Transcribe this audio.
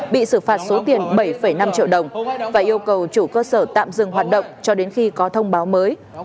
bị xử phạt số tiền bảy năm triệu đồng và yêu cầu chủ cơ sở tạm dừng hoạt động cho đến khi có thông báo mới